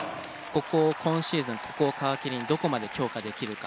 ここを今シーズンここを皮切りにどこまで強化できるか。